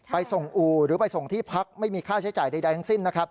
ไปส่งอู่หรือไปส่งที่พักไม่มีค่าใช้จ่ายใดทั้งสิ้นนะครับ